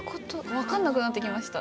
わかんなくなってきました。